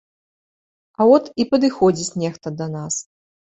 А от і падыходзіць нехта да нас!